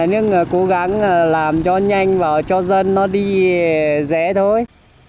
cũng mong nhà nước cố gắng làm cho nhanh và cho dân nó đi dễ thôi